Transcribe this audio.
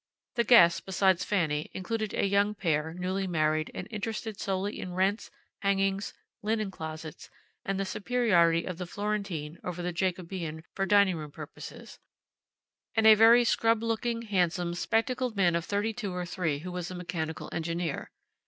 The guests, besides Fanny, included a young pair, newly married and interested solely in rents, hangings, linen closets, and the superiority of the Florentine over the Jacobean for dining room purposes; and a very scrubbed looking, handsome, spectacled man of thirty two or three who was a mechanical engineer.